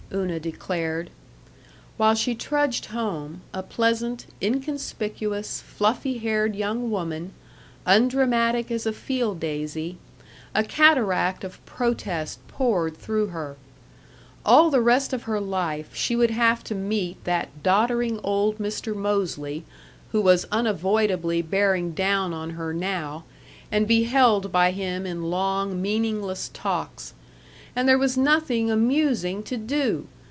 Una declared. While she trudged home a pleasant, inconspicuous, fluffy haired young woman, undramatic as a field daisy a cataract of protest poured through her. All the rest of her life she would have to meet that doddering old Mr. Mosely, who was unavoidably bearing down on her now, and be held by him in long, meaningless talks. And there was nothing amusing to do!